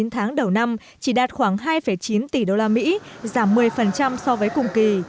chín tháng đầu năm chỉ đạt khoảng hai chín tỷ đô la mỹ giảm một mươi so với cùng kỳ